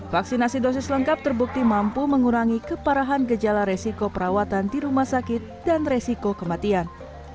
vaksinasi dosis lengkap terbukti mampu mengurangi keparahan gejala resiko perawatan di rumah sakit dan resiko kematian